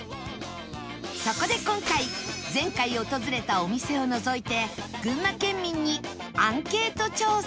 そこで今回前回訪れたお店を除いて群馬県民にアンケート調査